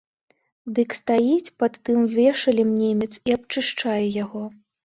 Дык стаіць пад тым вешалам немец і абчышчае яго.